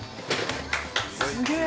すげえ。